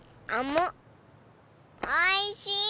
おいしい！